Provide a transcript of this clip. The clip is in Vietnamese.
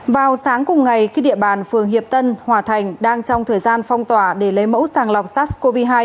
vào sáng cùng ngày khi địa bàn phường hiệp tân hòa thành đang trong thời gian phong tỏa để lấy mẫu sàng lọc sars cov hai